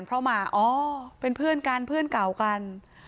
เพราะมาอ๋อเป็นเพื่อนกันเพื่อนเก่ากัน